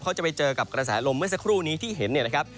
จะไปเจอกับกระแสลมเมื่อสักครู่นี้ที่เห็นเนี่ยนะครับ